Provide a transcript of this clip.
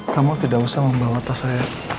kamu tidak usah membawa tas saya